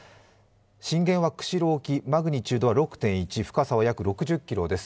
震源は釧路沖マグニチュードは６．１、深さは約６０ｋｍです。